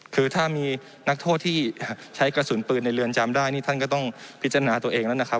คือถ้ามีนักโทษที่ใช้กระสุนปืนในเรือนจำได้นี่ท่านก็ต้องพิจารณาตัวเองแล้วนะครับ